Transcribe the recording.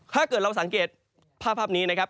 ถ้าเกิดเราสังเกตภาพนี้นะครับ